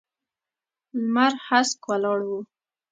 لمر هسک ولاړ و.